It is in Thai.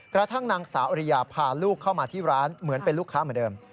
กระทั่งนางสาวอริยาพาลูกเข้ามาที่ร้านเหมือนเป็นลูกค้าเหมือนเดิม